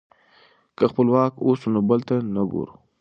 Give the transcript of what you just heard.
که خپلواک اوسو نو بل ته نه ګورو.